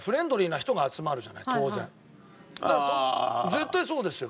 絶対そうですよ。